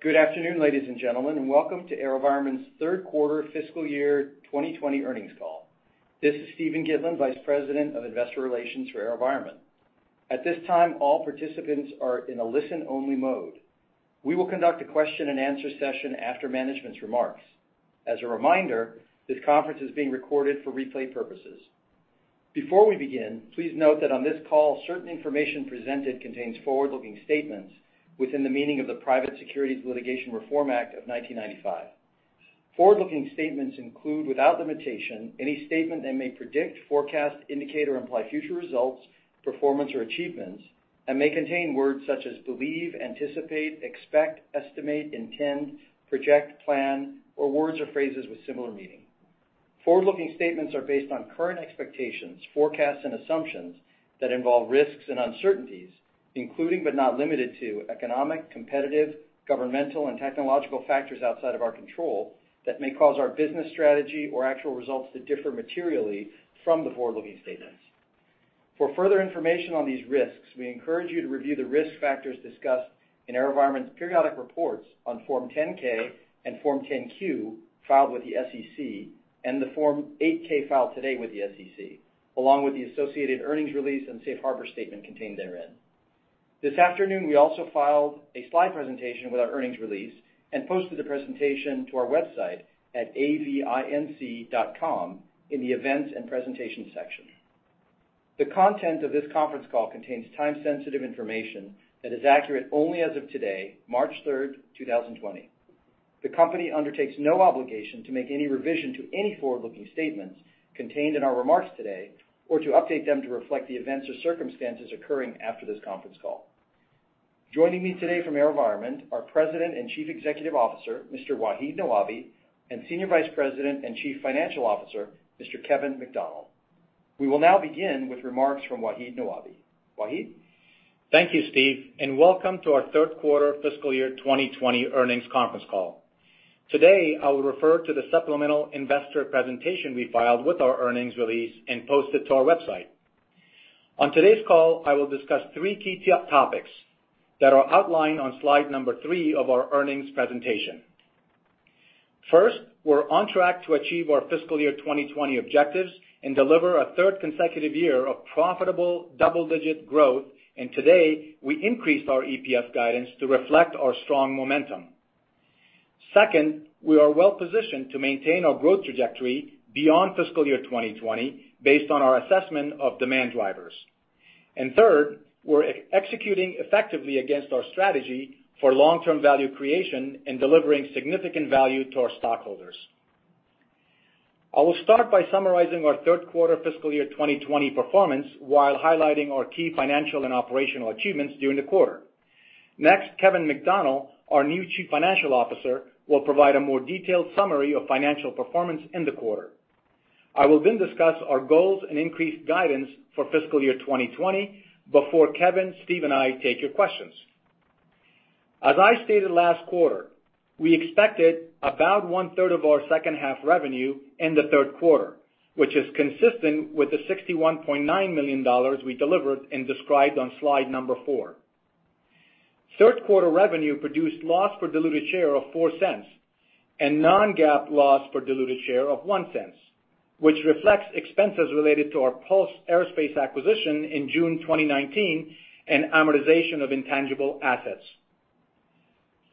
Good afternoon, ladies and gentlemen, and welcome to AeroVironment's third quarter fiscal year 2020 earnings call. This is Steven Gitlin, Vice President of Investor Relations for AeroVironment. At this time, all participants are in a listen-only mode. We will conduct a question and answer session after management's remarks. As a reminder, this conference is being recorded for replay purposes. Before we begin, please note that on this call, certain information presented contains forward-looking statements within the meaning of the Private Securities Litigation Reform Act of 1995. Forward-looking statements include, without limitation, any statement that may predict, forecast, indicate, or imply future results, performance, or achievements, and may contain words such as believe, anticipate, expect, estimate, intend, project, plan, or words or phrases with similar meaning. Forward-looking statements are based on current expectations, forecasts, and assumptions that involve risks and uncertainties, including but not limited to economic, competitive, governmental, and technological factors outside of our control that may cause our business strategy or actual results to differ materially from the forward-looking statements. For further information on these risks, we encourage you to review the risk factors discussed in AeroVironment's periodic reports on Form 10-K and Form 10-Q filed with the SEC and the Form 8-K filed today with the SEC, along with the associated earnings release and safe harbor statement contained therein. This afternoon, we also filed a slide presentation with our earnings release and posted the presentation to our website at avinc.com in the Events and Presentation section. The content of this conference call contains time-sensitive information that is accurate only as of today, March 3rd, 2020. The company undertakes no obligation to make any revision to any forward-looking statements contained in our remarks today or to update them to reflect the events or circumstances occurring after this conference call. Joining me today from AeroVironment are President and Chief Executive Officer, Mr. Wahid Nawabi, and Senior Vice President and Chief Financial Officer, Mr. Kevin McDonnell. We will now begin with remarks from Wahid Nawabi. Wahid? Thank you, Steve, and welcome to our third quarter fiscal year 2020 earnings conference call. Today, I will refer to the supplemental investor presentation we filed with our earnings release and posted to our website. On today's call, I will discuss three key topics that are outlined on slide number three of our earnings presentation. First, we're on track to achieve our fiscal year 2020 objectives and deliver a third consecutive year of profitable double-digit growth, and today, we increased our EPS guidance to reflect our strong momentum. Second, we are well-positioned to maintain our growth trajectory beyond fiscal year 2020 based on our assessment of demand drivers. Third, we're executing effectively against our strategy for long-term value creation and delivering significant value to our stockholders. I will start by summarizing our third quarter fiscal year 2020 performance while highlighting our key financial and operational achievements during the quarter. Next, Kevin McDonnell, our new Chief Financial Officer, will provide a more detailed summary of financial performance in the quarter. I will then discuss our goals and increased guidance for fiscal year 2020 before Kevin, Steve, and I take your questions. As I stated last quarter, we expected about 1/3 of our second half revenue in the third quarter, which is consistent with the $61.9 million we delivered and described on slide number four. Third quarter revenue produced loss per diluted share of $0.04 and non-GAAP loss per diluted share of $0.01, which reflects expenses related to our Pulse Aerospace acquisition in June 2019 and amortization of intangible assets.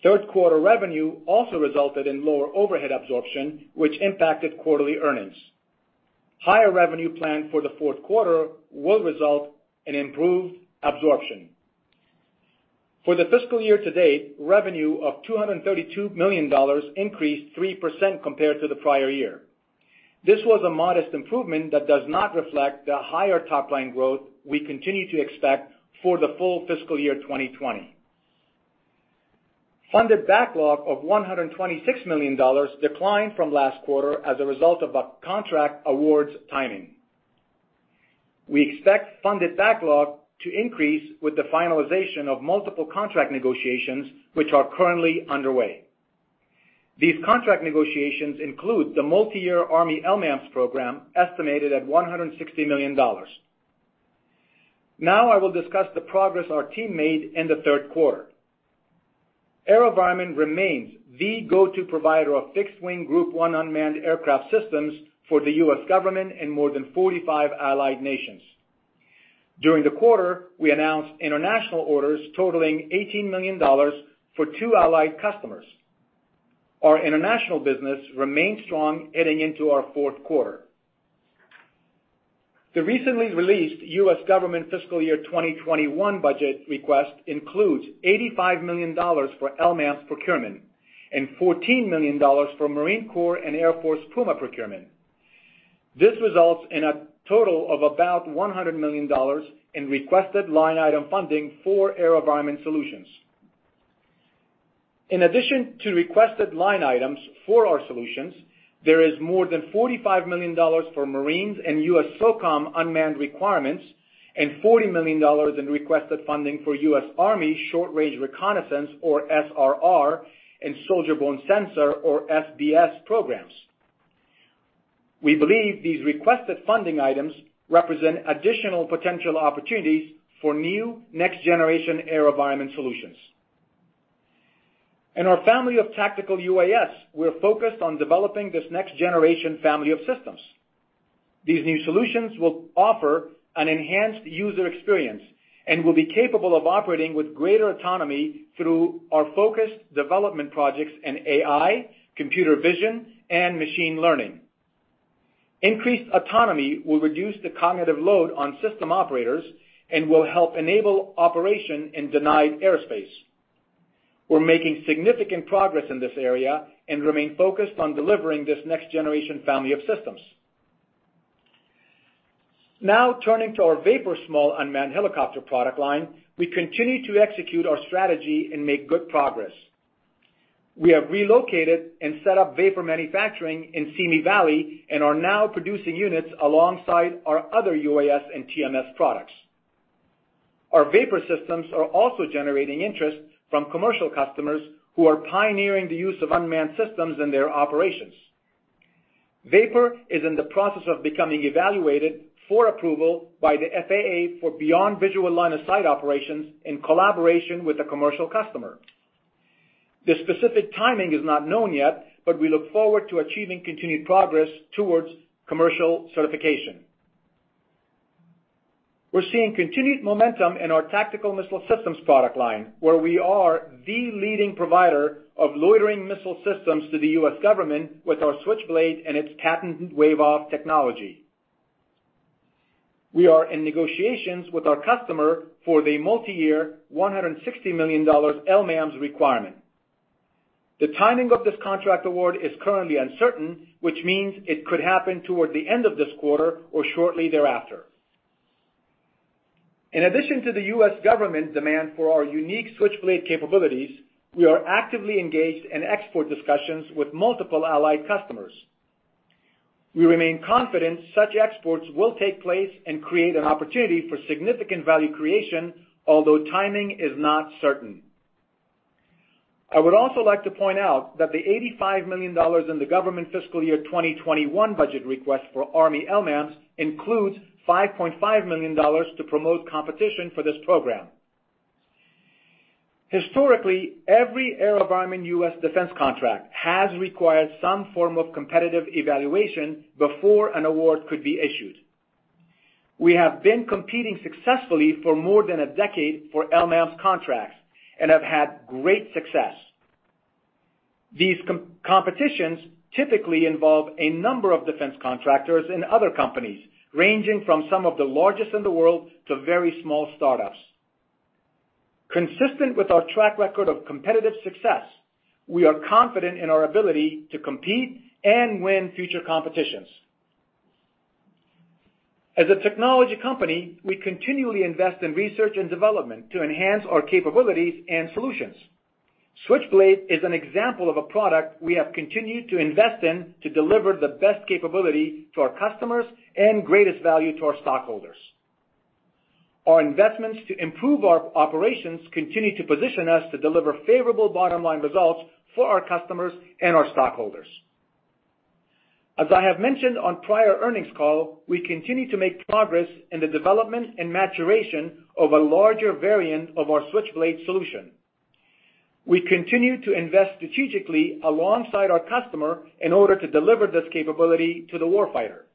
Third quarter revenue also resulted in lower overhead absorption, which impacted quarterly earnings. Higher revenue planned for the fourth quarter will result in improved absorption. For the fiscal year to date, revenue of $232 million increased 3% compared to the prior year. This was a modest improvement that does not reflect the higher top-line growth we continue to expect for the full fiscal year 2020. Funded backlog of $126 million declined from last quarter as a result of a contract award's timing. We expect funded backlog to increase with the finalization of multiple contract negotiations, which are currently underway. These contract negotiations include the multi-year U.S. Army LMAMS program estimated at $160 million. I will discuss the progress our team made in the third quarter. AeroVironment remains the go-to provider of fixed-wing Group 1 unmanned aircraft systems for the U.S. government and more than 45 allied nations. During the quarter, we announced international orders totaling $18 million for two allied customers. Our international business remains strong heading into our fourth quarter. The recently released U.S. government fiscal year 2021 budget request includes $85 million for LMAMS procurement and $14 million for Marine Corps and Air Force Puma procurement. This results in a total of about $100 million in requested line item funding for AeroVironment solutions. In addition to requested line items for our solutions, there is more than $45 million for Marines and USSOCOM unmanned requirements and $40 million in requested funding for U.S. Army Short-Range Reconnaissance or SRR and Soldier-Borne Sensor or SBS programs. We believe these requested funding items represent additional potential opportunities for new next-generation AeroVironment solutions. In our family of tactical UAS, we're focused on developing this next generation family of systems. These new solutions will offer an enhanced user experience and will be capable of operating with greater autonomy through our focused development projects in AI, computer vision, and machine learning. Increased autonomy will reduce the cognitive load on system operators and will help enable operation in denied airspace. We're making significant progress in this area and remain focused on delivering this next generation family of systems. Turning to our VAPOR small unmanned helicopter product line, we continue to execute our strategy and make good progress. We have relocated and set up VAPOR manufacturing in Simi Valley and are now producing units alongside our other UAS and TMS products. Our VAPOR systems are also generating interest from commercial customers who are pioneering the use of unmanned systems in their operations. VAPOR is in the process of becoming evaluated for approval by the FAA for beyond visual line of sight operations in collaboration with a commercial customer. The specific timing is not known yet, we look forward to achieving continued progress towards commercial certification. We're seeing continued momentum in our tactical missile systems product line, where we are the leading provider of loitering missile systems to the U.S. government with our Switchblade and its patented wave-off technology. We are in negotiations with our customer for the multi-year $160 million LMAMS requirement. The timing of this contract award is currently uncertain, which means it could happen toward the end of this quarter or shortly thereafter. In addition to the U.S. government demand for our unique Switchblade capabilities, we are actively engaged in export discussions with multiple allied customers. We remain confident such exports will take place and create an opportunity for significant value creation, although timing is not certain. I would also like to point out that the $85 million in the government fiscal year 2021 budget request for U.S. Army LMAMS includes $5.5 million to promote competition for this program. Historically, every AeroVironment U.S. defense contract has required some form of competitive evaluation before an award could be issued. We have been competing successfully for more than a decade for LMAMS contracts and have had great success. These competitions typically involve a number of defense contractors and other companies, ranging from some of the largest in the world to very small startups. Consistent with our track record of competitive success, we are confident in our ability to compete and win future competitions. As a technology company, we continually invest in research and development to enhance our capabilities and solutions. Switchblade is an example of a product we have continued to invest in to deliver the best capability to our customers and greatest value to our stockholders. Our investments to improve our operations continue to position us to deliver favorable bottom-line results for our customers and our stockholders. As I have mentioned on prior earnings call, we continue to make progress in the development and maturation of a larger variant of our Switchblade solution. We continue to invest strategically alongside our customer in order to deliver this capability to the war fighter.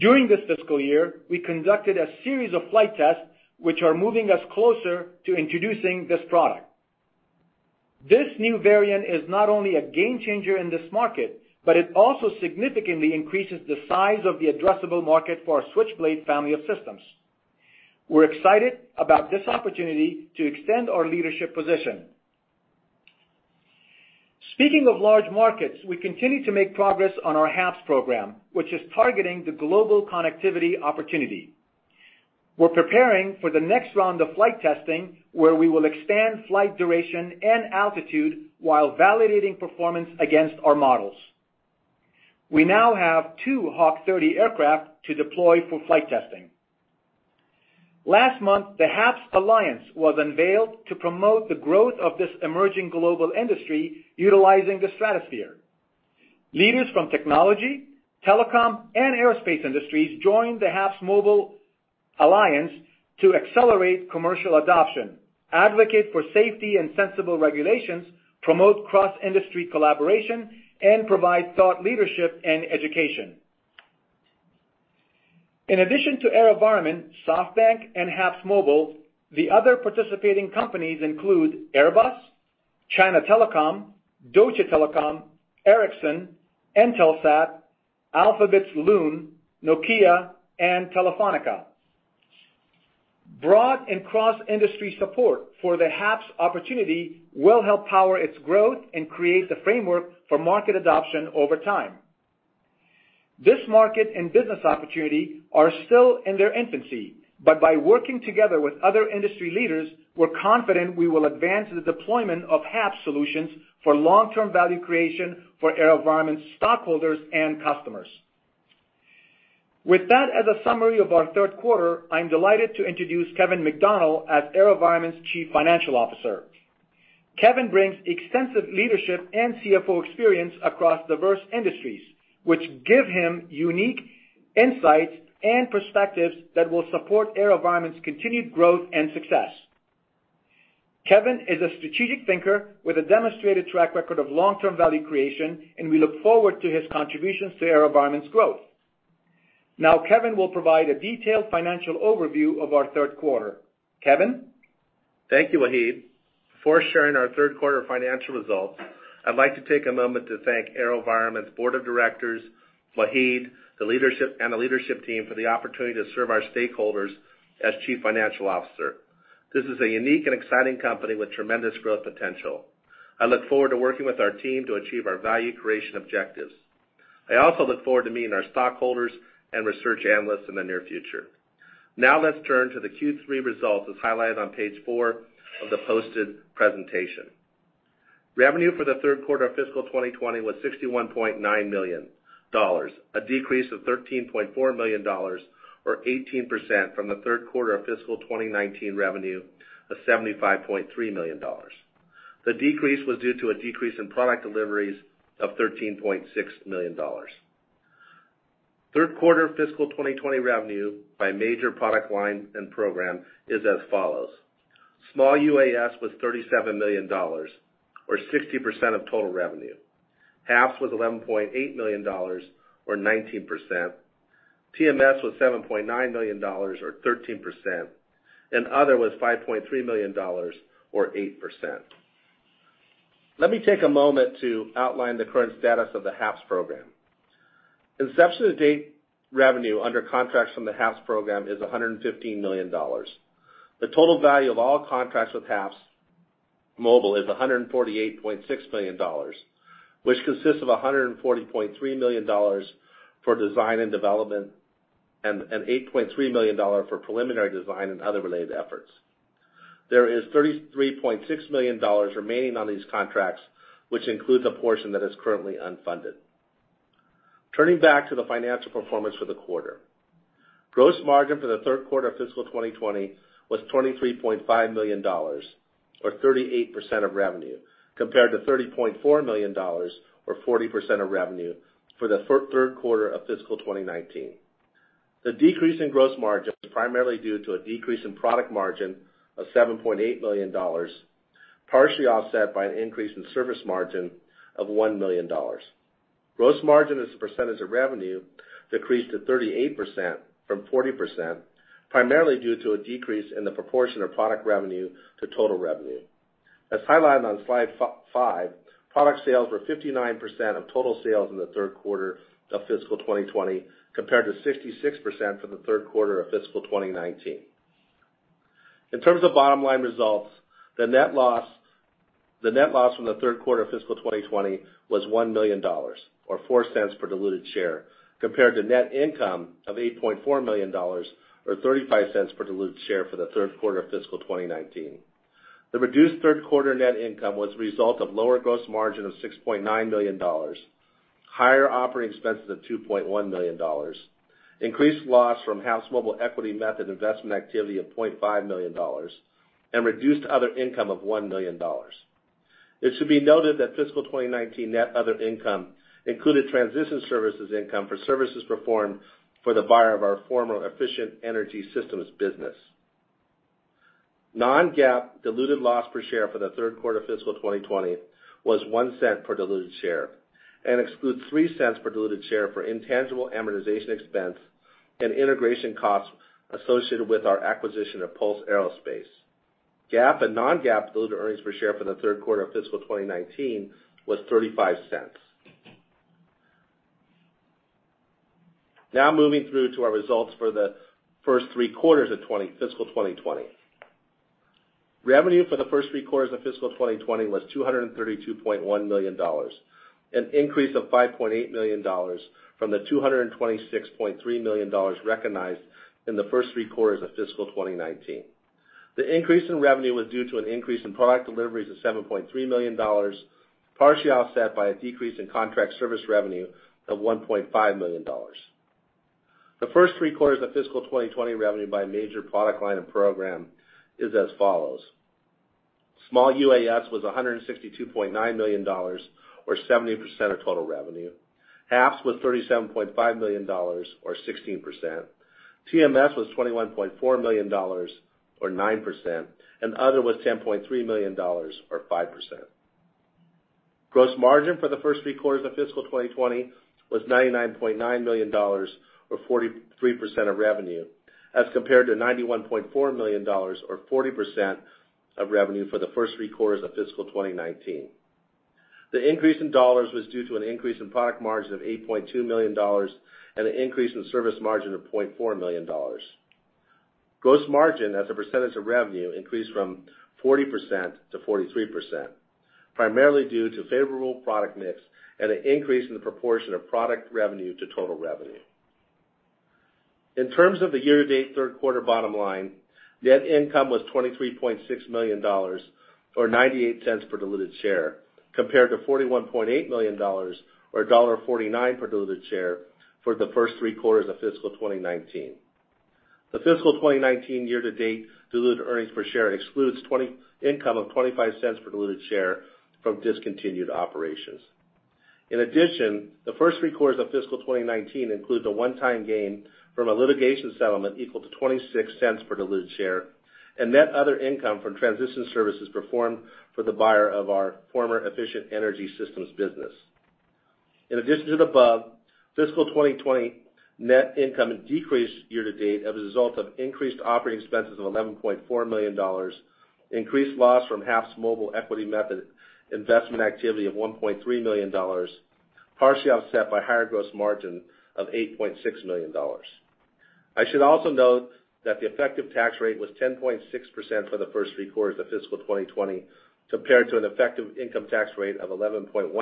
During this fiscal year, we conducted a series of flight tests, which are moving us closer to introducing this product. This new variant is not only a game changer in this market, but it also significantly increases the size of the addressable market for our Switchblade family of systems. We're excited about this opportunity to extend our leadership position. Speaking of large markets, we continue to make progress on our HAPS program, which is targeting the global connectivity opportunity. We're preparing for the next round of flight testing, where we will expand flight duration and altitude while validating performance against our models. We now have two HAWK30 aircraft to deploy for flight testing. Last month, the HAPS Alliance was unveiled to promote the growth of this emerging global industry utilizing the stratosphere. Leaders from technology, telecom, and aerospace industries joined the HAPSMobile Alliance to accelerate commercial adoption, advocate for safety and sensible regulations, promote cross-industry collaboration, and provide thought leadership and education. In addition to AeroVironment, SoftBank, and HAPSMobile, the other participating companies include Airbus, China Telecom, Deutsche Telekom, Ericsson, Intelsat, Alphabet's Loon, Nokia, and Telefónica. Broad and cross-industry support for the HAPS opportunity will help power its growth and create the framework for market adoption over time. This market and business opportunity are still in their infancy. By working together with other industry leaders, we're confident we will advance the deployment of HAPS solutions for long-term value creation for AeroVironment stockholders and customers. With that as a summary of our third quarter, I'm delighted to introduce Kevin McDonnell as AeroVironment's Chief Financial Officer. Kevin brings extensive leadership and CFO experience across diverse industries, which give him unique insights and perspectives that will support AeroVironment's continued growth and success. Kevin is a strategic thinker with a demonstrated track record of long-term value creation, and we look forward to his contributions to AeroVironment's growth. Now, Kevin will provide a detailed financial overview of our third quarter. Kevin? Thank you, Wahid. Before sharing our third quarter financial results, I'd like to take a moment to thank AeroVironment's Board of Directors, Wahid, and the leadership team for the opportunity to serve our stakeholders as Chief Financial Officer. This is a unique and exciting company with tremendous growth potential. I look forward to working with our team to achieve our value creation objectives. I also look forward to meeting our stockholders and research analysts in the near future. Now let's turn to the Q3 results, as highlighted on page four of the posted presentation. Revenue for the third quarter of fiscal 2020 was $61.9 million, a decrease of $13.4 million, or 18%, from the third quarter of fiscal 2019 revenue of $75.3 million. The decrease was due to a decrease in product deliveries of $13.6 million. Third quarter fiscal 2020 revenue by major product line and program is as follows. Small UAS was $37 million, or 60% of total revenue. HAPS was $11.8 million, or 19%. TMS was $7.9 million, or 13%, and other was $5.3 million, or 8%. Let me take a moment to outline the current status of the HAPS program. Inception to date revenue under contracts from the HAPS program is $115 million. The total value of all contracts with HAPSMobile is $148.6 million, which consists of $140.3 million for design and development and $8.3 million for preliminary design and other related efforts. There is $33.6 million remaining on these contracts, which includes a portion that is currently unfunded. Turning back to the financial performance for the quarter. Gross margin for the third quarter of fiscal 2020 was $23.5 million, or 38% of revenue, compared to $30.4 million, or 40% of revenue for the third quarter of fiscal 2019. The decrease in gross margin was primarily due to a decrease in product margin of $7.8 million, partially offset by an increase in service margin of $1 million. Gross margin as a percentage of revenue decreased to 38% from 40%, primarily due to a decrease in the proportion of product revenue to total revenue. As highlighted on slide five, product sales were 59% of total sales in the third quarter of fiscal 2020, compared to 66% for the third quarter of fiscal 2019. In terms of bottom-line results, the net loss from the third quarter of fiscal 2020 was $1 million, or $0.04 per diluted share, compared to net income of $8.4 million, or $0.35 per diluted share for the third quarter of fiscal 2019. The reduced third quarter net income was a result of lower gross margin of $6.9 million, higher operating expenses of $2.1 million, increased loss from HAPSMobile equity method investment activity of $0.5 million, and reduced other income of $1 million. It should be noted that fiscal 2019 net other income included transition services income for services performed for the buyer of our former Efficient Energy Systems business. Non-GAAP diluted loss per share for the third quarter fiscal 2020 was $0.01 per diluted share and excludes $0.03 per diluted share for intangible amortization expense and integration costs associated with our acquisition of Pulse Aerospace. GAAP and non-GAAP diluted earnings per share for the third quarter of fiscal 2019 was $0.35. Moving through to our results for the first three quarters of fiscal 2020. Revenue for the first three quarters of fiscal 2020 was $232.1 million, an increase of $5.8 million from the $226.3 million recognized in the first three quarters of fiscal 2019. The increase in revenue was due to an increase in product deliveries of $7.3 million, partially offset by a decrease in contract service revenue of $1.5 million. The first three quarters of fiscal 2020 revenue by major product line and program is as follows. Small UAS was $162.9 million, or 70% of total revenue. HAPS was $37.5 million, or 16%. TMS was $21.4 million, or 9%, and other was $10.3 million, or 5%. Gross margin for the first three quarters of fiscal 2020 was $99.9 million, or 43% of revenue, as compared to $91.4 million, or 40% of revenue for the first three quarters of fiscal 2019. The increase in dollars was due to an increase in product margin of $8.2 million and an increase in service margin of $0.4 million. Gross margin as a percentage of revenue increased from 40% to 43%, primarily due to favorable product mix and an increase in the proportion of product revenue to total revenue. In terms of the year-to-date third quarter bottom line, net income was $23.6 million, or $0.98 per diluted share, compared to $41.8 million, or $1.49 per diluted share for the first three quarters of fiscal 2019. The fiscal 2019 year-to-date diluted earnings per share excludes income of $0.25 per diluted share from discontinued operations. The first three quarters of fiscal 2019 include the one-time gain from a litigation settlement equal to $0.26 per diluted share, and net other income from transition services performed for the buyer of our former Efficient Energy Systems business. Fiscal 2020 net income decreased year-to-date as a result of increased operating expenses of $11.4 million, increased loss from HAPSMobile equity method investment activity of $1.3 million, partially offset by higher gross margin of $8.6 million. I should also note that the effective tax rate was 10.6% for the first three quarters of fiscal 2020, compared to an effective income tax rate of 11.1%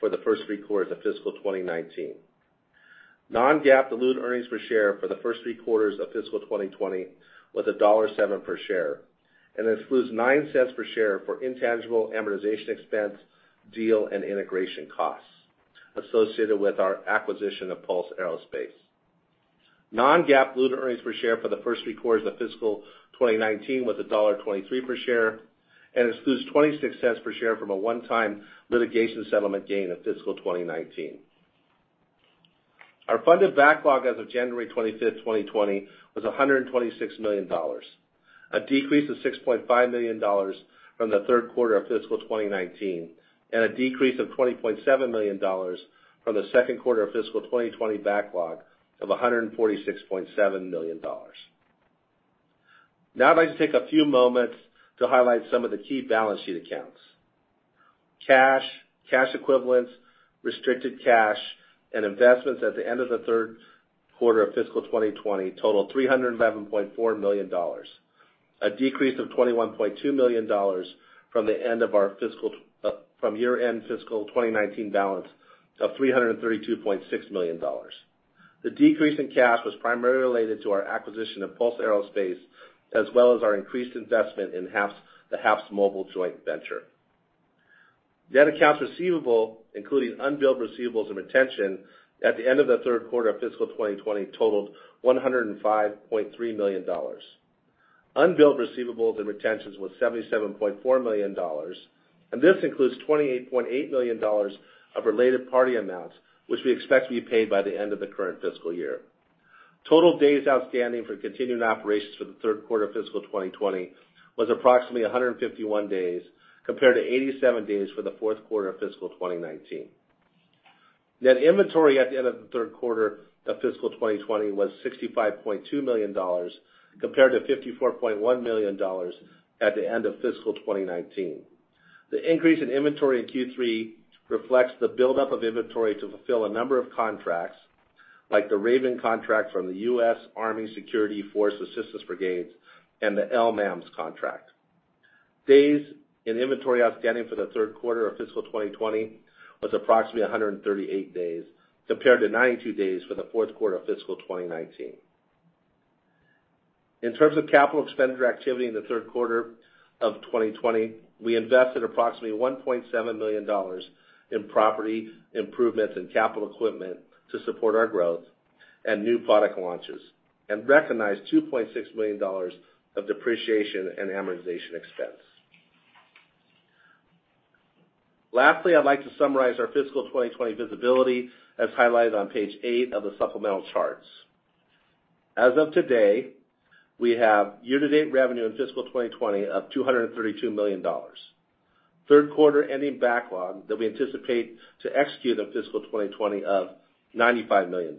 for the first three quarters of fiscal 2019. Non-GAAP diluted earnings per share for the first three quarters of fiscal 2020 was $1.07 per share, and includes $0.09 per share for intangible amortization expense, deal and integration costs associated with our acquisition of Pulse Aerospace. Non-GAAP diluted earnings per share for the first three quarters of fiscal 2019 was $1.23 per share, and excludes $0.26 per share from a one-time litigation settlement gain in fiscal 2019. Our funded backlog as of January 25th, 2020, was $126 million, a decrease of $6.5 million from the third quarter of fiscal 2019, and a decrease of $20.7 million from the second quarter of fiscal 2020 backlog of $146.7 million. Now I'd like to take a few moments to highlight some of the key balance sheet accounts. Cash, cash equivalents, restricted cash, and investments at the end of the third quarter of fiscal 2020 totaled $311.4 million, a decrease of $21.2 million from year-end fiscal 2019 balance of $332.6 million. The decrease in cash was primarily related to our acquisition of Pulse Aerospace, as well as our increased investment in the HAPSMobile joint venture. Net accounts receivable, including unbilled receivables and retention at the end of the third quarter of fiscal 2020 totaled $105.3 million. Unbilled receivables and retentions was $77.4 million, this includes $28.8 million of related party amounts, which we expect to be paid by the end of the current fiscal year. Total days outstanding for continuing operations for the third quarter of fiscal 2020 was approximately 151 days, compared to 87 days for the fourth quarter of fiscal 2019. Net inventory at the end of the third quarter of fiscal 2020 was $65.2 million, compared to $54.1 million at the end of fiscal 2019. The increase in inventory in Q3 reflects the buildup of inventory to fulfill a number of contracts, like the Raven contract from the U.S. Army Security Force Assistance Brigades and the LMAMS contract. Days in inventory outstanding for the third quarter of fiscal 2020 was approximately 138 days, compared to 92 days for the fourth quarter of fiscal 2019. In terms of capital expenditure activity in the third quarter of 2020, we invested approximately $1.7 million in property improvements and capital equipment to support our growth and new product launches, and recognized $2.6 million of depreciation and amortization expense. Lastly, I'd like to summarize our fiscal 2020 visibility as highlighted on page eight of the supplemental charts. As of today, we have year-to-date revenue in fiscal 2020 of $232 million. Third quarter ending backlog that we anticipate to execute in fiscal 2020 of $95 million.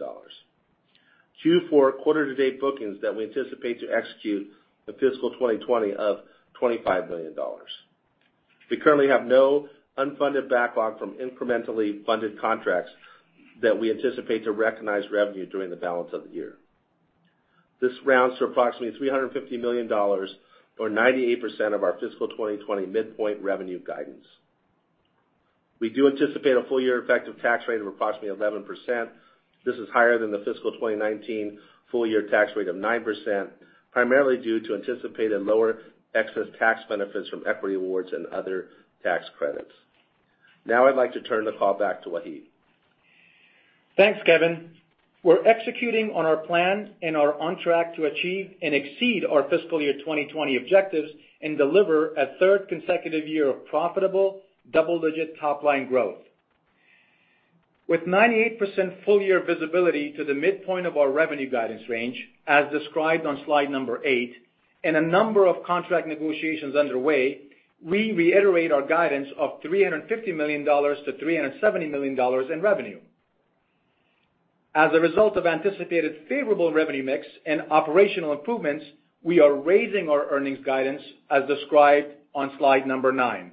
Q4 quarter-to-date bookings that we anticipate to execute in fiscal 2020 of $25 million. We currently have no unfunded backlog from incrementally funded contracts that we anticipate to recognize revenue during the balance of the year. This rounds to approximately $350 million, or 98% of our fiscal 2020 midpoint revenue guidance. We do anticipate a full-year effective tax rate of approximately 11%. This is higher than the fiscal 2019 full-year tax rate of 9%, primarily due to anticipated lower excess tax benefits from equity awards and other tax credits. I'd like to turn the call back to Wahid. Thanks, Kevin. We're executing on our plan and are on track to achieve and exceed our fiscal year 2020 objectives and deliver a third consecutive year of profitable double-digit top-line growth. With 98% full-year visibility to the midpoint of our revenue guidance range, as described on slide number eight, and a number of contract negotiations underway, we reiterate our guidance of $350 million-$370 million in revenue. As a result of anticipated favorable revenue mix and operational improvements, we are raising our earnings guidance as described on slide number nine.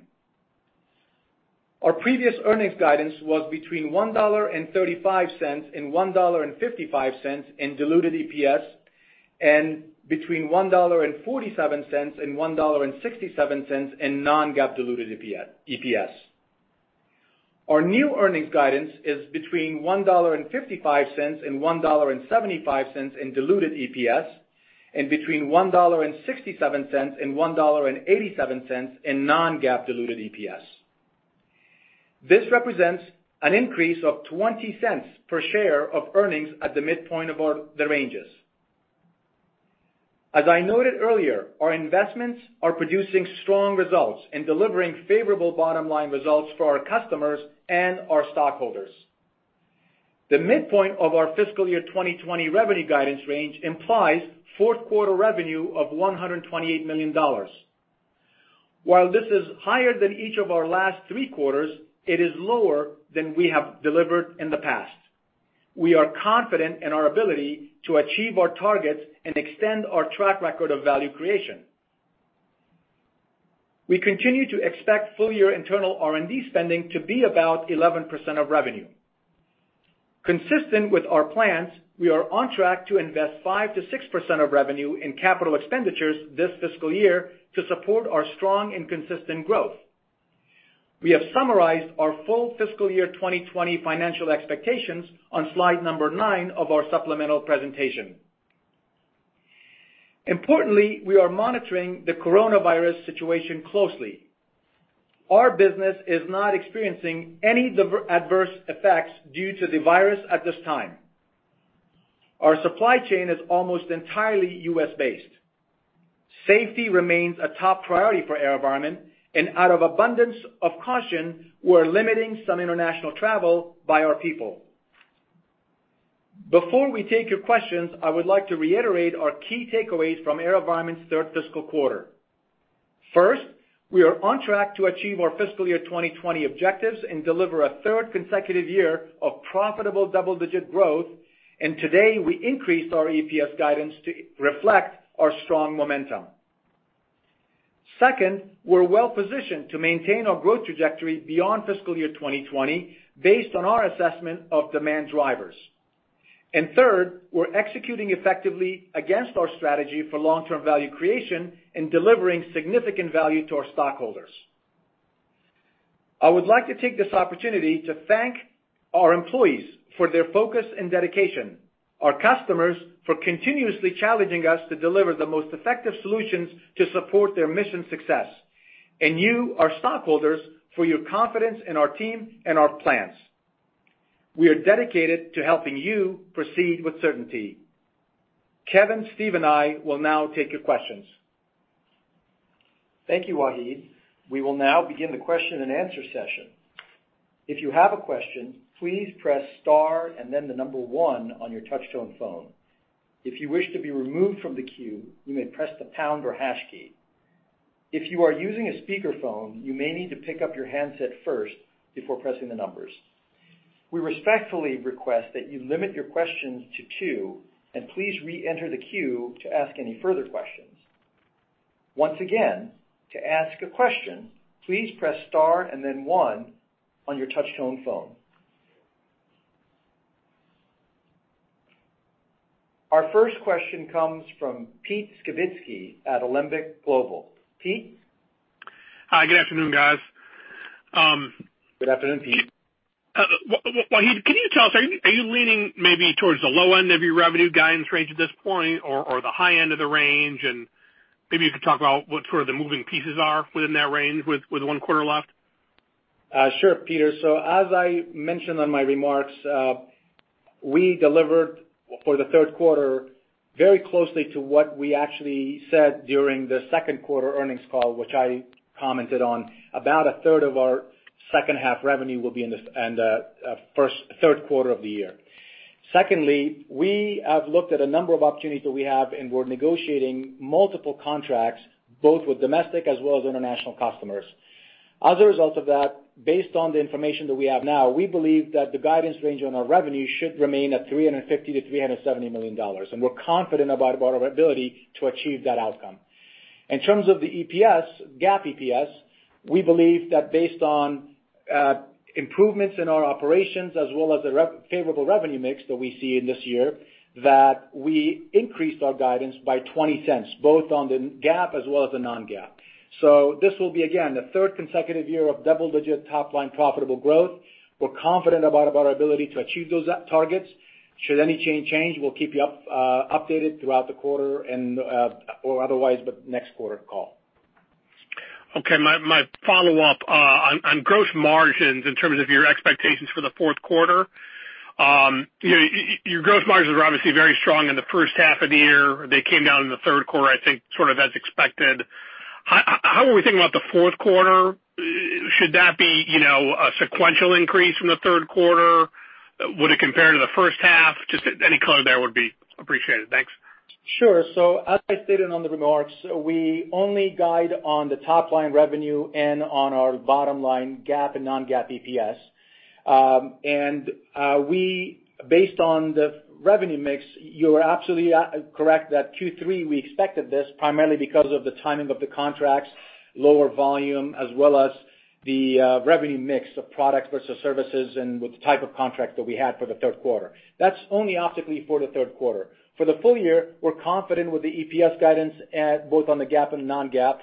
Our previous earnings guidance was between $1.35 and $1.55 in diluted EPS, and between $1.47 and $1.67 in non-GAAP diluted EPS. Our new earnings guidance is between $1.55 and $1.75 in diluted EPS, and between $1.67 and $1.87 in non-GAAP diluted EPS. This represents an increase of $0.20 per share of earnings at the midpoint of the ranges. As I noted earlier, our investments are producing strong results and delivering favorable bottom-line results for our customers and our stockholders. The midpoint of our fiscal year 2020 revenue guidance range implies fourth quarter revenue of $128 million. While this is higher than each of our last three quarters, it is lower than we have delivered in the past. We are confident in our ability to achieve our targets and extend our track record of value creation. We continue to expect full-year internal R&D spending to be about 11% of revenue. Consistent with our plans, we are on track to invest 5%-6% of revenue in capital expenditures this fiscal year to support our strong and consistent growth. We have summarized our full fiscal year 2020 financial expectations on slide number nine of our supplemental presentation. Importantly, we are monitoring the coronavirus situation closely. Our business is not experiencing any adverse effects due to the virus at this time. Our supply chain is almost entirely U.S.-based. Safety remains a top priority for AeroVironment. Out of abundance of caution, we're limiting some international travel by our people. Before we take your questions, I would like to reiterate our key takeaways from AeroVironment's third fiscal quarter. First, we are on track to achieve our fiscal year 2020 objectives and deliver a third consecutive year of profitable double-digit growth. Today we increased our EPS guidance to reflect our strong momentum. Second, we're well-positioned to maintain our growth trajectory beyond fiscal year 2020 based on our assessment of demand drivers. Third, we're executing effectively against our strategy for long-term value creation and delivering significant value to our stockholders. I would like to take this opportunity to thank our employees for their focus and dedication, our customers for continuously challenging us to deliver the most effective solutions to support their mission success, and you, our stockholders, for your confidence in our team and our plans. We are dedicated to helping you proceed with certainty. Kevin, Steve, and I will now take your questions. Thank you, Wahid. We will now begin the question and answer session. If you have a question, please press star and then one on your touch-tone phone. If you wish to be removed from the queue, you may press the pound or hash key. If you are using a speakerphone, you may need to pick up your handset first before pressing the numbers. We respectfully request that you limit your questions to two, and please re-enter the queue to ask any further questions. Once again, to ask a question, please press star and then one on your touch-tone phone. Our first question comes from Pete Skibitski at Alembic Global Advisors. Pete? Hi, good afternoon, guys. Good afternoon, Pete. Wahid, can you tell us, are you leaning maybe towards the low end of your revenue guidance range at this point, or the high end of the range? Maybe you could talk about what the moving pieces are within that range with one quarter left. Sure, Peter. As I mentioned on my remarks, we delivered for the third quarter very closely to what we actually said during the second quarter earnings call, which I commented on. About a 1/3 of our second half revenue will be in the third quarter of the year. Secondly, we have looked at a number of opportunities that we have, and we're negotiating multiple contracts, both with domestic as well as international customers. As a result of that, based on the information that we have now, we believe that the guidance range on our revenue should remain at $350 million-$370 million. We're confident about our ability to achieve that outcome. In terms of the EPS, GAAP EPS, we believe that based on improvements in our operations as well as the favorable revenue mix that we see in this year, that we increased our guidance by $0.20, both on the GAAP as well as the non-GAAP. This will be, again, the third consecutive year of double-digit top-line profitable growth. We're confident about our ability to achieve those targets. Should any change, we'll keep you updated throughout the quarter or otherwise the next quarter call. Okay, my follow-up on gross margins in terms of your expectations for the fourth quarter. Your gross margins were obviously very strong in the first half of the year. They came down in the third quarter, I think as expected. How are we thinking about the fourth quarter? Should that be a sequential increase from the third quarter? Would it compare to the first half? Just any color there would be appreciated. Thanks. Sure. As I stated on the remarks, we only guide on the top-line revenue and on our bottom-line GAAP and non-GAAP EPS. Based on the revenue mix, you are absolutely correct that Q3, we expected this primarily because of the timing of the contracts, lower volume, as well as the revenue mix of products versus services and with the type of contracts that we had for the third quarter. That's only optically for the third quarter. For the full year, we're confident with the EPS guidance both on the GAAP and non-GAAP,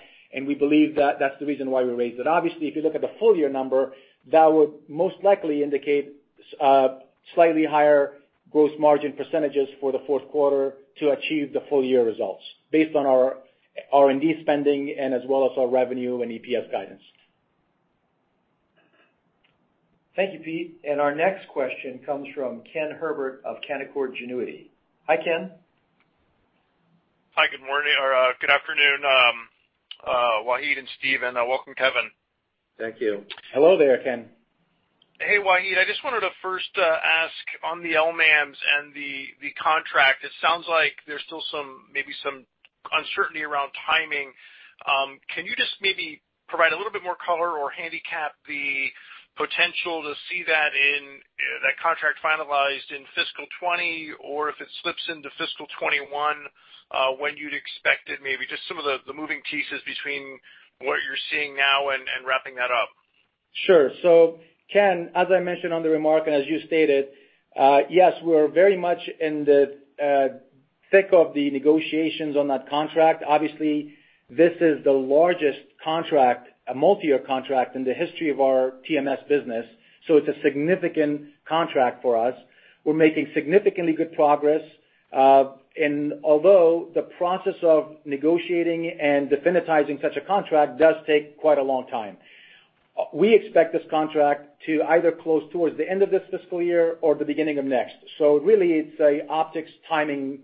we believe that that's the reason why we raised it. Obviously, if you look at the full-year number, that would most likely indicate slightly higher gross margin percentages for the fourth quarter to achieve the full year results based on our R&D spending and as well as our revenue and EPS guidance. Thank you, Pete. Our next question comes from Ken Herbert of Canaccord Genuity. Hi, Ken. Hi, good morning or good afternoon, Wahid and Steven. Welcome, Kevin. Thank you. Hello there, Ken. Hey, Wahid. I just wanted to first ask on the LMAMS and the contract, it sounds like there's still maybe some uncertainty around timing. Can you just maybe provide a little bit more color or handicap the potential to see that contract finalized in fiscal 2020, or if it slips into fiscal 2021, when you'd expect it? Maybe just some of the moving pieces between what you're seeing now and wrapping that up. Sure. Ken, as I mentioned on the remark, and as you stated, yes, we're very much in the thick of the negotiations on that contract. This is the largest contract, a multi-year contract in the history of our TMS business. It's a significant contract for us. We're making significantly good progress. Although the process of negotiating and definitizing such a contract does take quite a long time. We expect this contract to either close towards the end of this fiscal year or the beginning of next. Really it's a optics timing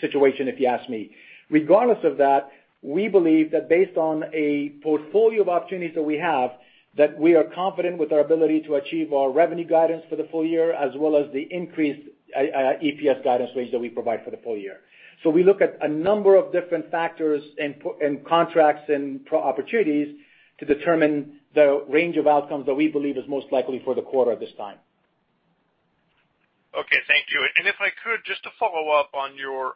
situation, if you ask me. Regardless of that, we believe that based on a portfolio of opportunities that we have, that we are confident with our ability to achieve our revenue guidance for the full year, as well as the increased EPS guidance range that we provide for the full year. We look at a number of different factors and contracts and opportunities to determine the range of outcomes that we believe is most likely for the quarter at this time. Okay, thank you. If I could just to follow up on your,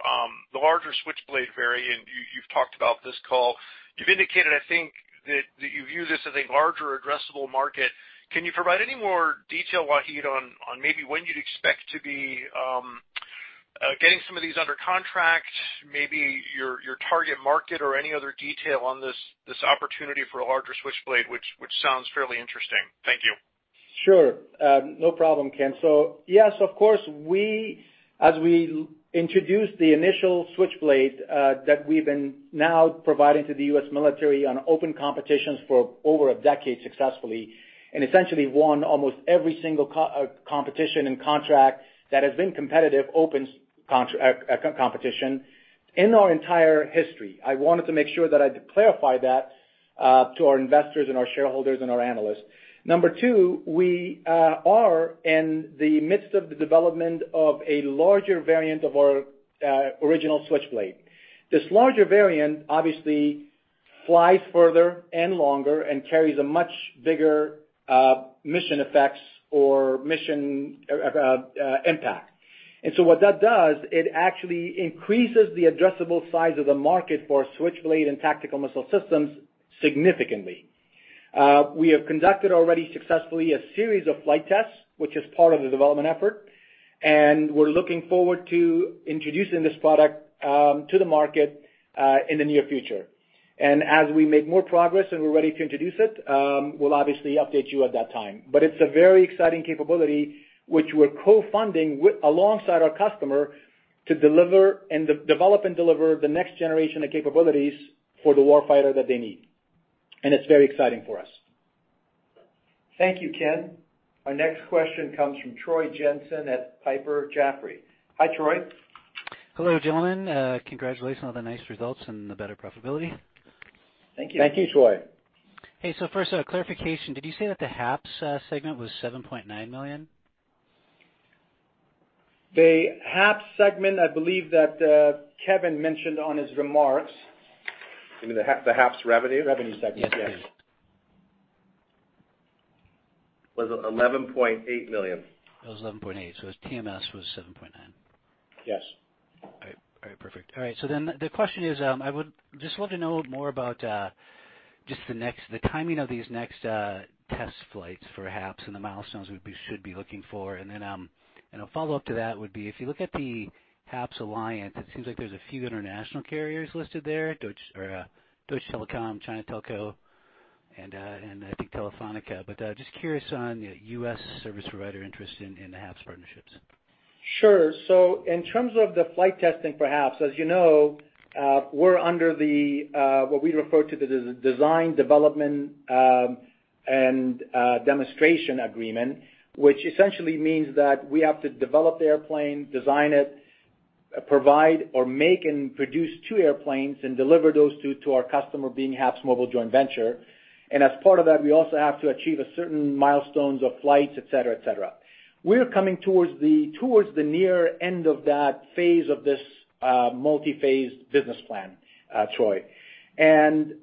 the larger Switchblade variant you've talked about this call, you've indicated, I think, that you view this as a larger addressable market. Can you provide any more detail, Wahid, on maybe when you'd expect to be getting some of these under contract, maybe your target market or any other detail on this opportunity for a larger Switchblade, which sounds fairly interesting. Thank you. Sure, no problem Ken. Yes, of course, as we introduced the initial Switchblade that we've been now providing to the U.S. military on open competitions for over a decade successfully, and essentially won almost every single competition and contract that has been competitive open competition in our entire history. I wanted to make sure that I clarify that to our investors and our shareholders and our analysts. Number two, we are in the midst of the development of a larger variant of our original Switchblade. This larger variant obviously flies further and longer and carries a much bigger mission effects or mission impact. What that does, it actually increases the addressable size of the market for Switchblade and Tactical Missile Systems significantly. We have conducted already successfully a series of flight tests, which is part of the development effort. We're looking forward to introducing this product to the market in the near future. As we make more progress and we're ready to introduce it, we'll obviously update you at that time. It's a very exciting capability, which we're co-funding alongside our customer to develop and deliver the next generation of capabilities for the warfighter that they need. It's very exciting for us. Thank you, Ken. Our next question comes from Troy Jensen at Piper Jaffray. Hi, Troy. Hello, gentlemen. Congratulations on the nice results and the better profitability. Thank you. Thank you, Troy. First, a clarification. Did you say that the HAPS segment was $7.9 million? The HAPS segment, I believe that Kevin mentioned on his remarks. You mean the HAPS revenue? Revenue segment, yes. Yes. Was $11.8 million. It was $11.8 million. His TMS was $7.9 million. Yes. All right. Perfect. All right. The question is, I would just love to know more about just the timing of these next test flights for HAPS and the milestones we should be looking for. A follow-up to that would be, if you look at the HAPS Alliance, it seems like there's a few international carriers listed there, Deutsche Telekom, China Telecom, and I think Telefónica. Just curious on U.S. service provider interest in the HAPS partnerships. Sure. In terms of the flight testing for HAPS, as you know, we're under the what we refer to the design, development, and demonstration agreement, which essentially means that we have to develop the airplane, design it, provide or make and produce two airplanes, and deliver those two to our customer, being HAPSMobile Joint Venture. As part of that, we also have to achieve certain milestones of flights, et cetera. We're coming towards the near end of that phase of this multi-phase business plan, Troy.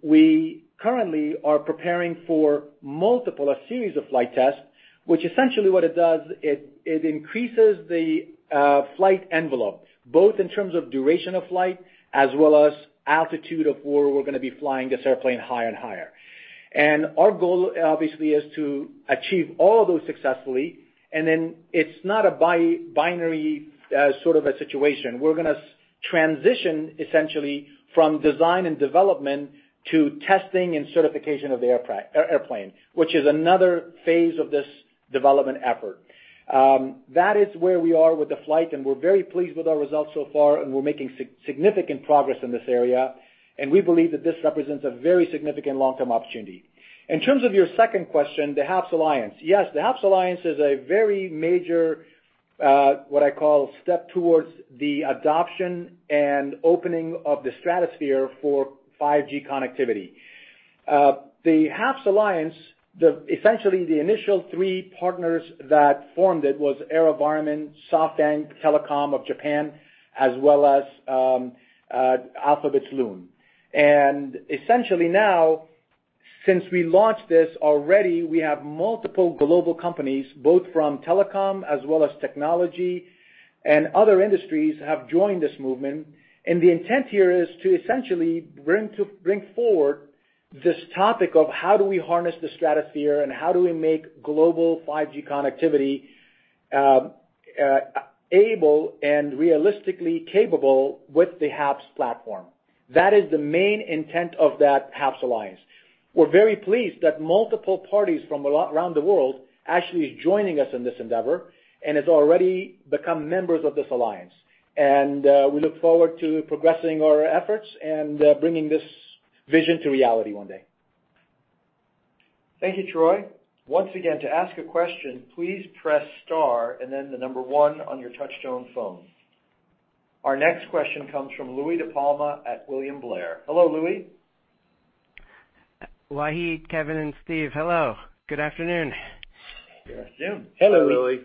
We currently are preparing for multiple, a series of flight tests, which essentially what it does, it increases the flight envelope, both in terms of duration of flight as well as altitude of where we're going to be flying this airplane higher and higher. Our goal, obviously, is to achieve all of those successfully, then it's not a binary sort of a situation. We're going to transition essentially from design and development to testing and certification of the airplane, which is another phase of this development effort. That is where we are with the flight, and we're very pleased with our results so far, and we're making significant progress in this area, and we believe that this represents a very significant long-term opportunity. In terms of your second question, the HAPS Alliance. Yes, the HAPS Alliance is a very major, what I call, step towards the adoption and opening of the stratosphere for 5G connectivity. The HAPS Alliance, essentially the initial three partners that formed it was AeroVironment, SoftBank Telecom of Japan, as well as Alphabet's Loon. Essentially now, since we launched this already, we have multiple global companies, both from telecom as well as technology, and other industries have joined this movement. The intent here is to essentially bring forward this topic of how do we harness the stratosphere and how do we make global 5G connectivity able and realistically capable with the HAPS platform. That is the main intent of that HAPS Alliance. We're very pleased that multiple parties from around the world actually joining us in this endeavor, and has already become members of this alliance. We look forward to progressing our efforts and bringing this vision to reality one day. Thank you, Troy. Once again, to ask a question, please press star and then the number one on your touch-tone phone. Our next question comes from Louie DiPalma at William Blair. Hello, Louie. Wahid, Kevin, and Steve, hello. Good afternoon. Good afternoon. Hello, Louie.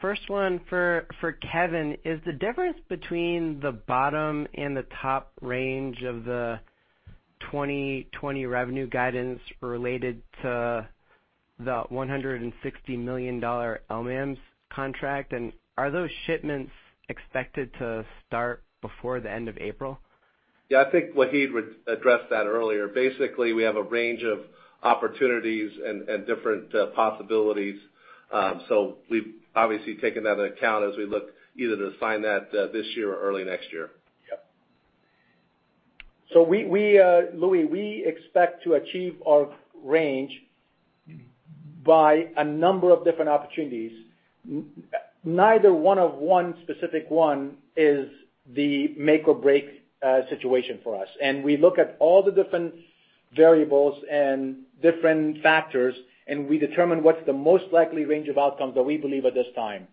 First one for Kevin. Is the difference between the bottom and the top range of the 2020 revenue guidance related to the $160 million LMAMS contract, and are those shipments expected to start before the end of April? Yeah, I think Wahid addressed that earlier. Basically, we have a range of opportunities and different possibilities. We've obviously taken that into account as we look either to sign that this year or early next year. Yep. Louie, we expect to achieve our range by a number of different opportunities. Neither one specific one is the make or break situation for us. We look at all the different variables and different factors, and we determine what's the most likely range of outcomes that we believe at this time.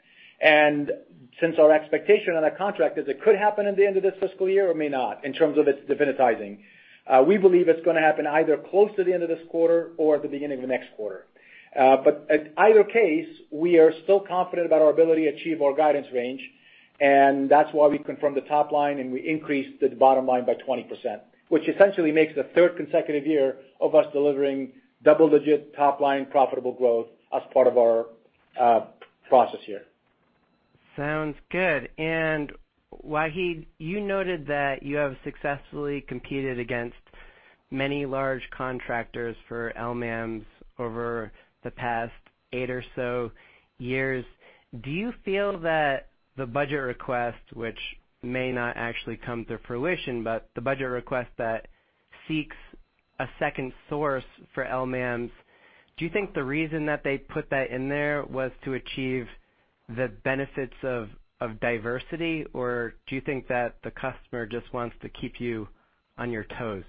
Since our expectation on that contract is it could happen at the end of this fiscal year or may not, in terms of its definitizing. We believe it's going to happen either close to the end of this quarter or at the beginning of the next quarter. At either case, we are still confident about our ability to achieve our guidance range, and that's why we confirm the top line, and we increased the bottom line by 20%, which essentially makes the third consecutive year of us delivering double-digit top-line profitable growth as part of our process here. Sounds good. Wahid, you noted that you have successfully competed against many large contractors for LMAMS over the past eight or so years. Do you feel that the budget request, which may not actually come to fruition, but the budget request that seeks a second source for LMAMS, do you think the reason that they put that in there was to achieve the benefits of diversity, or do you think that the customer just wants to keep you on your toes?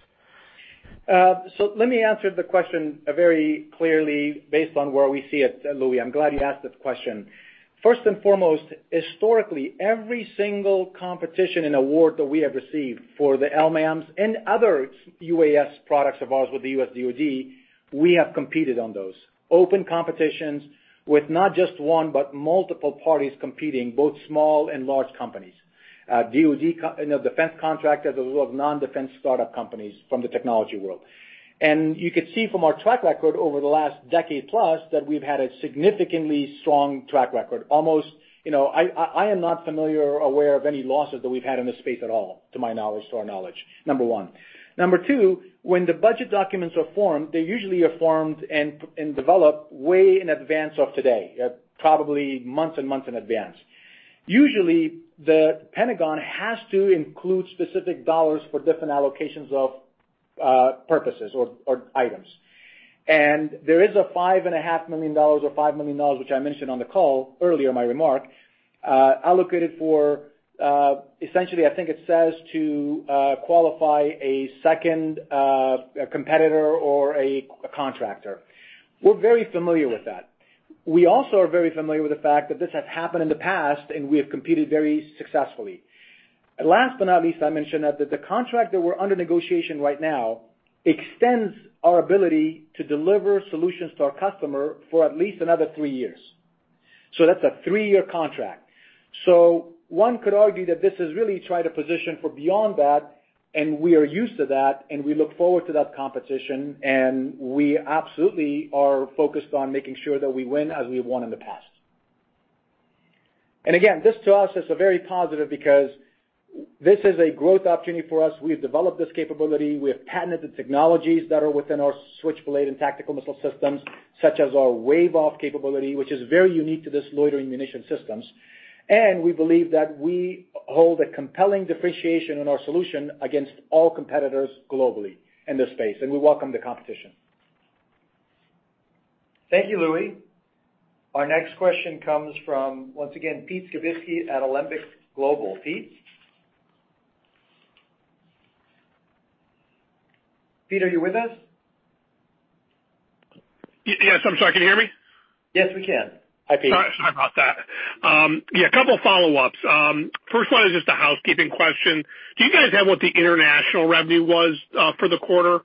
Let me answer the question very clearly based on where we see it, Louie. I'm glad you asked that question. First and foremost, historically, every single competition and award that we have received for the LMAMS and other UAS products of ours with the U.S. DoD, we have competed on those. Open competitions with not just one, but multiple parties competing, both small and large companies. DoD defense contractors as well as non-defense startup companies from the technology world. You could see from our track record over the last decade plus, that we've had a significantly strong track record. I am not familiar or aware of any losses that we've had in this space at all, to my knowledge, to our knowledge. Number one. Number two, when the budget documents are formed, they usually are formed and developed way in advance of today, probably months and months in advance. Usually, the Pentagon has to include specific dollars for different allocations of purposes or items. There is a $5.5 million or $5 million, which I mentioned on the call earlier in my remark, allocated for, essentially, I think it says to qualify a second competitor or a contractor. We're very familiar with that. We also are very familiar with the fact that this has happened in the past, and we have competed very successfully. Last but not least, I mentioned that the contract that we're under negotiation right now extends our ability to deliver solutions to our customer for at least another three years. That's a three-year contract. One could argue that this is really try to position for beyond that, and we are used to that, and we look forward to that competition, and we absolutely are focused on making sure that we win as we won in the past. Again, this to us is very positive. This is a growth opportunity for us. We've developed this capability. We have patented technologies that are within our Switchblade and tactical missile systems, such as our wave off capability, which is very unique to this loitering munition systems. We believe that we hold a compelling differentiation in our solution against all competitors globally in this space, and we welcome the competition. Thank you, Louie. Our next question comes from, once again, Pete Skibitski at Alembic Global Advisors. Pete? Pete, are you with us? Yes, I'm sorry. Can you hear me? Yes, we can. Hi, Pete. Sorry about that. Yeah, a couple follow-ups. First one is just a housekeeping question. Do you guys have what the international revenue was for the quarter?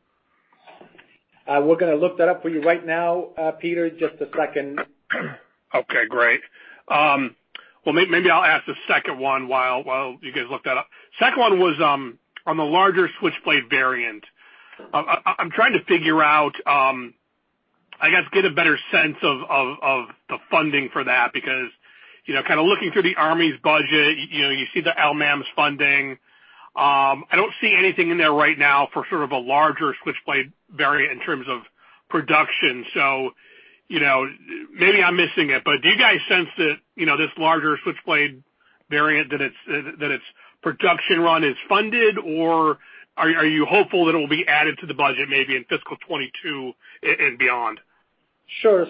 We're gonna look that up for you right now, Peter. Just a second. Okay, great. Maybe I'll ask the second one while you guys look that up. Second one was on the larger Switchblade variant. I'm trying to figure out, I guess, get a better sense of the funding for that, because kind of looking through the army's budget, you see the LMAMS funding. I don't see anything in there right now for sort of a larger Switchblade variant in terms of production. Maybe I'm missing it, but do you guys sense that this larger Switchblade variant that its production run is funded, or are you hopeful that it'll be added to the budget maybe in fiscal 2022 and beyond? Sure.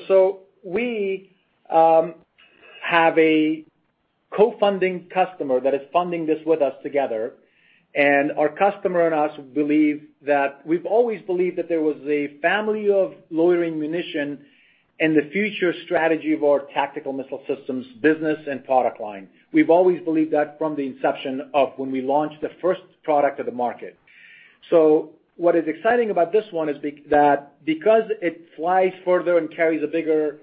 We have a co-funding customer that is funding this with us together, and our customer and us believe that we've always believed that there was a family of loitering munition in the future strategy of our tactical missile systems business and product line. We've always believed that from the inception of when we launched the first product of the market. What is exciting about this one is that because it flies further and carries a bigger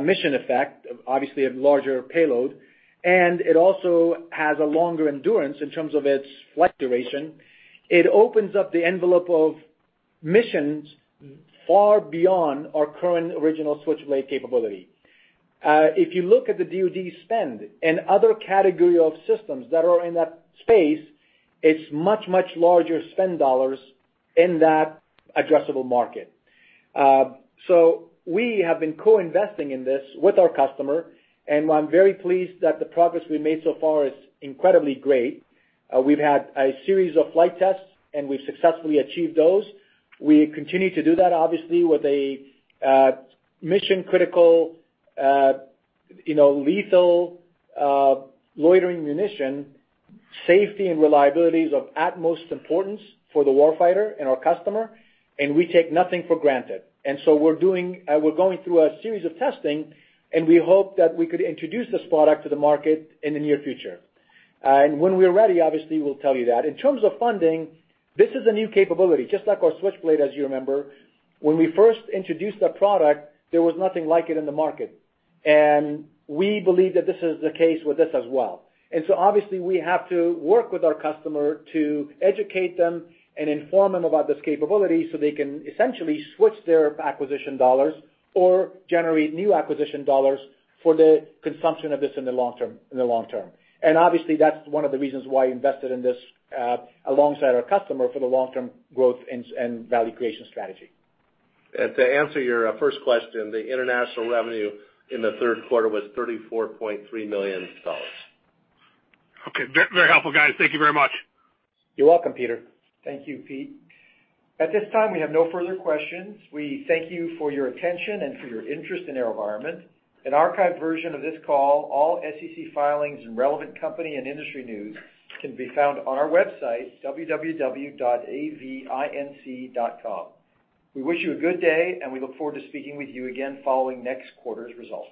mission effect, obviously a larger payload, and it also has a longer endurance in terms of its flight duration. It opens up the envelope of missions far beyond our current original Switchblade capability. If you look at the DoD spend and other category of systems that are in that space, it's much larger spend dollars in that addressable market. We have been co-investing in this with our customer, and I'm very pleased that the progress we've made so far is incredibly great. We've had a series of flight tests, and we've successfully achieved those. We continue to do that, obviously, with a mission-critical, lethal loitering munition. Safety and reliability is of utmost importance for the war fighter and our customer, and we take nothing for granted. We're going through a series of testing, and we hope that we could introduce this product to the market in the near future. When we're ready, obviously, we'll tell you that. In terms of funding, this is a new capability. Just like our Switchblade, as you remember. When we first introduced that product, there was nothing like it in the market. We believe that this is the case with this as well. Obviously, we have to work with our customer to educate them and inform them about this capability so they can essentially switch their acquisition dollars or generate new acquisition dollars for the consumption of this in the long term. Obviously, that's one of the reasons why we invested in this alongside our customer for the long-term growth and value creation strategy. To answer your first question, the international revenue in the third quarter was $34.3 million. Okay. Very helpful, guys. Thank you very much. You're welcome, Peter. Thank you, Pete. At this time, we have no further questions. We thank you for your attention and for your interest in AeroVironment. An archived version of this call, all SEC filings, and relevant company and industry news can be found on our website, www.avinc.com. We wish you a good day, and we look forward to speaking with you again following next quarter's results.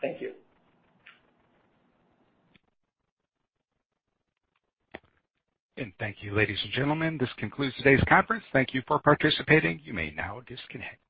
Thank you. Thank you, ladies and gentlemen. This concludes today's conference. Thank you for participating. You may now disconnect.